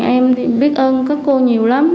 em biết ơn các cô nhiều lắm